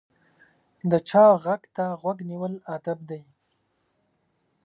د چا غږ ته غوږ نیول ادب دی.